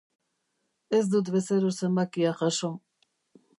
Ez dut bezero zenbakia jaso.